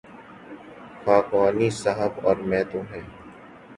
خاکوانی صاحب اور میں تو ہیں۔